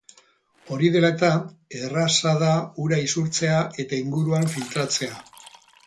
Hori dela eta, erraza da ura isurtzea eta inguruan filtratzea.